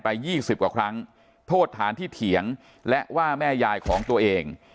๒๐กว่าครั้งโทษฐานที่เถียงและว่าแม่ยายของตัวเอง